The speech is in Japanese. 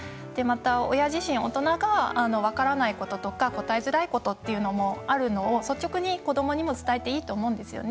親自身、大人が分からないことや答えづらいことがあるのを、率直に子どもにも伝えていいと思うんですよね。